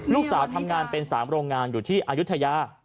ลูกสาวทำงานเป็น๓โรงงานอยู่ที่อยู่พระอุทยา